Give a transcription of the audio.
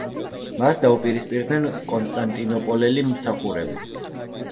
მას დაუპირისპირდნენ კონსტანტინოპოლელი მსახურები.